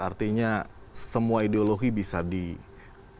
artinya semua ideologi bisa diberikan